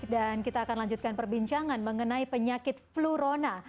dan kita akan lanjutkan perbincangan mengenai penyakit flurona